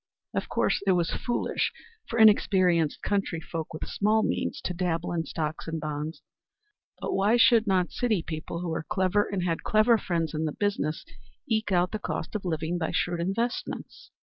Of course it was foolish for inexperienced country folk with small means to dabble in stocks and bonds, but why should not city people who were clever and had clever friends in the business eke out the cost of living by shrewd investments?